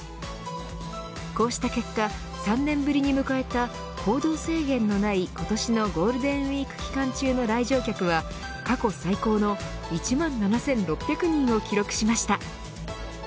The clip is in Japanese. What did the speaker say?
こうした結果、３年ぶりに迎えた行動制限のない今年のゴールデンウイーク期間中の来場客は過去最高の１万７６００人を記録しました。